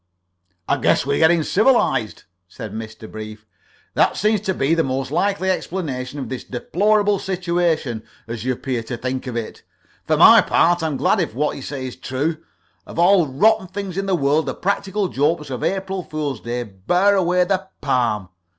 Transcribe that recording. "I guess we're getting civilized," said Mr. Brief. "That seems to me to be the most likely explanation of this deplorable situation, as you appear to think it. For my part, I'm glad if what you say is true. Of all rotten things in the world the practical jokes of April fool's day bear away the palm.